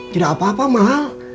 tidak apa apa mahal